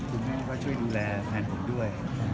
คุณแม่ก็ช่วยดูแลแทนผมด้วย